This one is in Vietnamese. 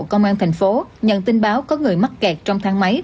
công an thành phố nhận tin báo có người mắc kẹt trong thang máy